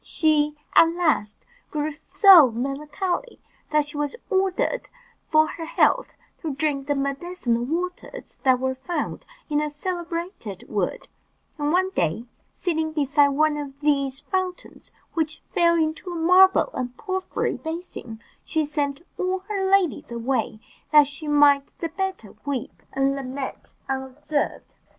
She, at last, grew so melancholy, that she was ordered for her health to drink the medicinal waters that were found in a celebrated wood; and one day, sitting beside one of these fountains, which fell into a marble and porphyry basin, she sent all her ladies away, that she might the better weep and lament unobserved.